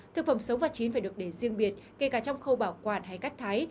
thực phẩm xấu và chín phải được để riêng biệt kể cả trong khâu bảo quản hay cắt thái